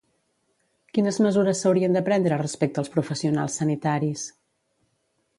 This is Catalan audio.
Quines mesures s'haurien de prendre respecte als professionals sanitaris?